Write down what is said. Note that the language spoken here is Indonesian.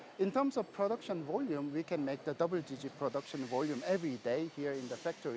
bagi volume produksi kami bisa membuat double digit production volume setiap hari di dalam fabrikasi